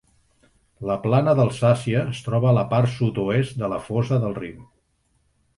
La plana d'Alsàcia es troba a la part sud-oest de la fossa del Rin.